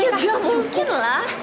iya nggak mungkin lah